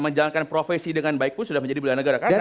menjalankan profesi dengan baik pun sudah menjadi bela negara